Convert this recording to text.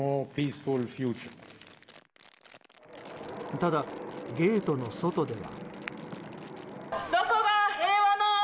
ただ、ゲートの外では。